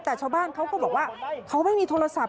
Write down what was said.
แต่ชาวบ้านเขาก็บอกว่าเขาไม่มีโทรศัพท์